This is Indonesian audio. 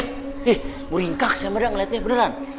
ih muringkak sama dia ngeliatnya beneran